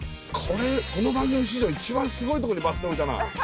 これこの番組史上一番すごいとこにバス停置いたな。